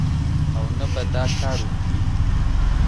او نه به دا کار وکړي